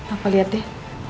apa lihat deh